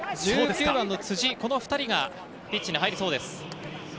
１９番の辻、この２人がピッチに入りそうです。